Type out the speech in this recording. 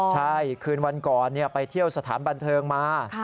ใช่คืนวันก่อนไปเที่ยวสถานบันเทิงมา